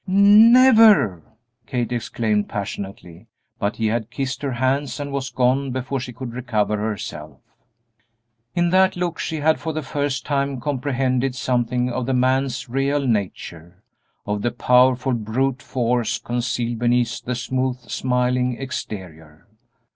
"Never!" Kate exclaimed, passionately, but he had kissed her hands and was gone before she could recover herself. In that look she had for the first time comprehended something of the man's real nature, of the powerful brute force concealed beneath the smooth, smiling exterior.